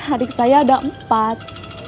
adik saya ada empat